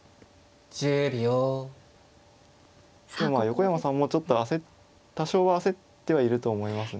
横山さんもちょっと多少は焦ってはいると思います。